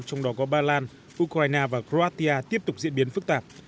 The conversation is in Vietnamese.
trong đó có ba lan ukraine và kratia tiếp tục diễn biến phức tạp